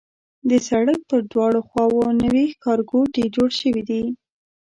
د سړک پر دواړو خواوو نوي ښارګوټي جوړ شوي دي.